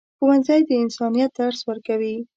ښوونځی د انسانیت درس ورکوي.